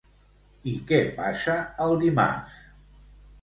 I què passa el dimarts?